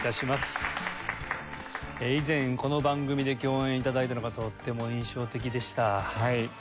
以前この番組で共演頂いたのがとっても印象的でした。